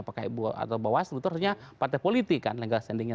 pak ibu atau bawas itu artinya partai politik kan legal standingnya